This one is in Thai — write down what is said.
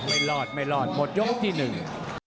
ไม่รอดไม่รอดหมดยกที่หนึ่ง